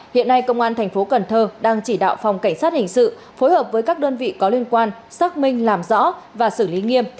hiện nay công an tp cn đang chỉ đạo phòng cảnh sát hình sự phối hợp với các đơn vị có liên quan xác minh làm rõ và xử lý